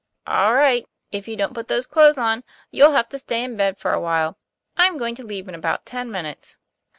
"All right; if you don't put those clothes on, you'll have to stay in bed for a while. I'm going to leave in about ten minutes."